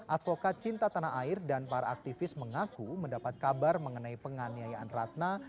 advokat cinta tanah air dan para aktivis mengaku mendapat kabar mengenai penganiayaan ratna